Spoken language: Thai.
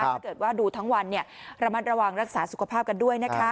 ถ้าเกิดว่าดูทั้งวันระมัดระวังรักษาสุขภาพกันด้วยนะคะ